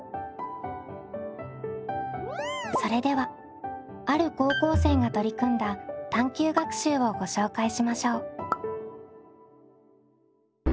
それではある高校生が取り組んだ探究学習をご紹介しましょう。